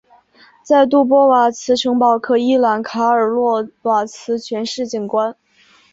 在杜波瓦茨城堡可一览卡尔洛瓦茨全市景观。